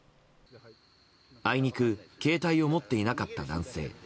あいにく携帯を持っていなかった男性。